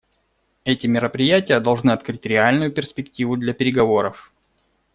Эти мероприятия должны открыть реальную перспективу для переговоров.